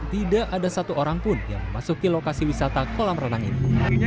tidak ada satu orang pun yang memasuki lokasi wisata kolam renang ini